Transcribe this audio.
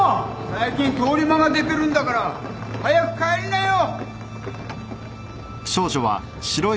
・最近通り魔が出てるんだから早く帰りなよ！